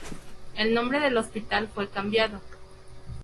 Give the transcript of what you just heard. El nombre del Hospital fue cambiando.